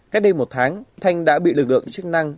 cách đây một tháng thanh đã bị lực lượng chức năng